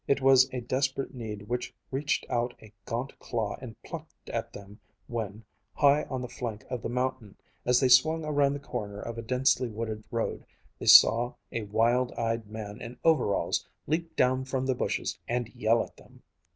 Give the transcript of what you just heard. It was a desperate need which reached out a gaunt claw and plucked at them when, high on the flank of the mountain, as they swung around the corner of a densely wooded road, they saw a wild eyed man in overalls leap down from the bushes and yell at them.